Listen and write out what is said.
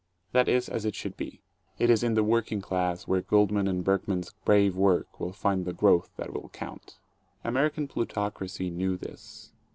That is as it should be. It is in the working class where Goldman and Berkman's brave work will find the growth that will count. American plutocracy knew this.